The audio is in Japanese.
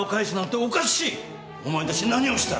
お前たち何をした？